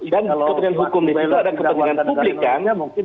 dan kepentingan hukum di situ ada kepentingan publik kan